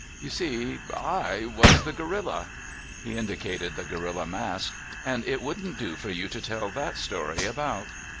You see, I was the gorilla." He indicated the gorilla mask. "And it wouldn't do for you to tell that story about."